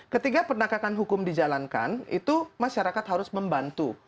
ketika penegakan hukum dijalankan itu masyarakat harus membantu